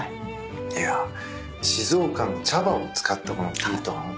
いや静岡の茶葉を使ったこのＴＥＡ豚。